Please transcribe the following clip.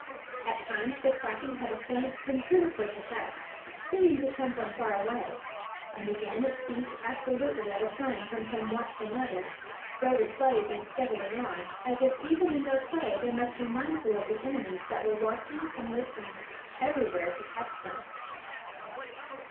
At times the quacking had a faint ventriloquous effect, seeming to come from far away, and again it ceased absolutely at a sign from some watchful mother, though the play went steadily on, as if even in their play they must be mindful of the enemies that were watching and listening everywhere to catch them.